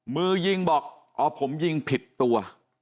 มือบอกหอผมยิงผิดตัว